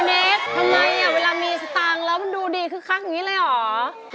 คุณนิคทำไมนะเวลามีเทาร์ตังค์แล้วมันดูดีคักนึงเลยหรอ